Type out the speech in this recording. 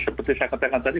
seperti saya katakan tadi